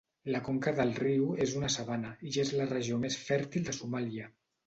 La conca del riu és una sabana i és la regió més fèrtil de Somàlia.